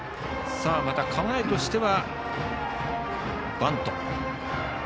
また、構えとしてはバント。